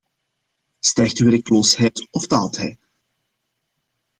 Stijgt de werkloosheid of daalt hij?